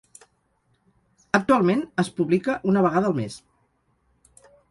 Actualment es publica una vegada al mes.